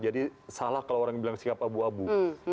jadi salah kalau orang bilang sikap abu abu